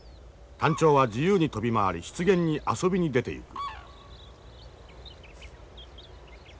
タンチョウは自由に飛び回り湿原に遊びに出ていく。